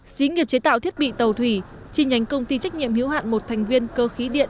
xí nghiệp chế tạo thiết bị tàu thủy chi nhánh công ty trách nhiệm hiếu hạn một thành viên cơ khí điện